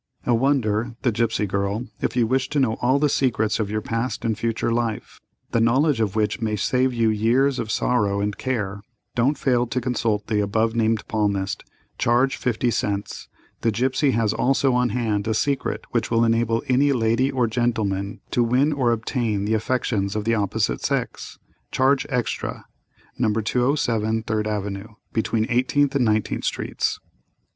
"A Wonder—The Gipsy Girl.—If you wish to know all the secrets of your past and future life, the knowledge of which may save you years of sorrow and care, don't fail to consult the above named palmist. Charge 50 cents. The Gipsy has also on hand a secret which will enable any lady or gentleman to win or obtain the affections of the opposite sex. Charge extra. No. 207 3d av., between 18th and 19th sts."